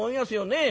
ねえ。